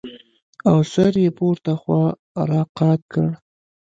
او سر يې پورته خوا راقات کړ.